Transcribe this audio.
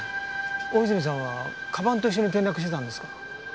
大泉さんは鞄と一緒に転落してたんですか？